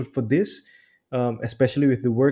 untuk ini terutama dengan